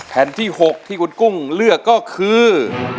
แผ่นที่๖ที่คุณกุ้งเลือกก็คือ